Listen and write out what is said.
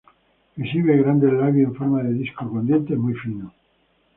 Exhibe grandes labios en forma de disco con dientes muy finos.